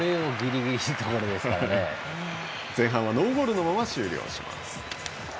前半はノーゴールのまま終了します。